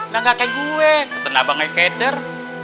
nah gak kayak gue keten abangnya keder